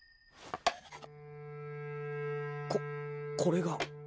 こっこれが。